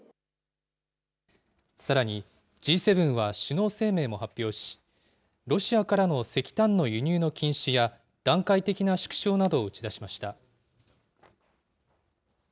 さらに、Ｇ７は首脳声明も発表し、ロシアからの石炭の輸入の禁止や、段階的な縮小などを打ち出しました。